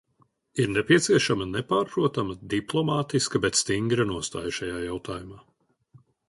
Ir nepieciešama nepārprotama diplomātiska, bet stingra nostāja šajā jautājumā.